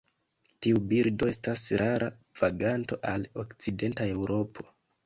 Tiu birdo estas rara vaganto al okcidenta Eŭropo.